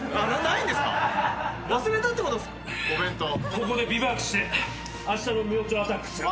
ここでビバークしてあしたの明朝アタックする。